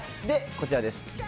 で、こちらです。